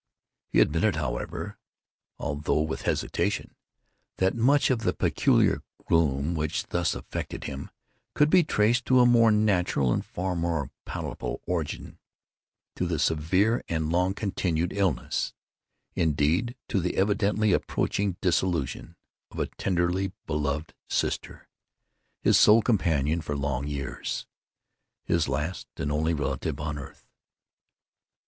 He admitted, however, although with hesitation, that much of the peculiar gloom which thus afflicted him could be traced to a more natural and far more palpable origin—to the severe and long continued illness—indeed to the evidently approaching dissolution—of a tenderly beloved sister—his sole companion for long years—his last and only relative on earth.